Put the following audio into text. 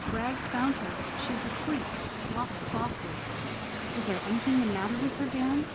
"Rags found her. She's asleep. Walk softly." "Is there anything the matter with her, Dan?"